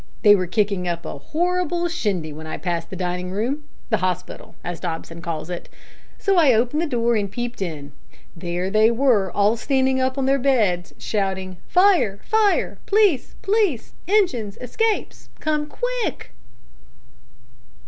They were kicking up a horrible shindy when I passed the dining room the hospital, as Dobson calls it so I opened the door and peeped in. There they were, all standing up on their beds, shouting `Fire! fire! p'leece! p'leece! engines! escapes! Come qui i i ck!'